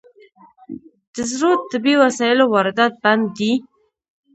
د زړو طبي وسایلو واردات بند دي؟